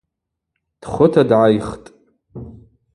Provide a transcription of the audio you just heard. Дхвыта дгӏайхтӏ.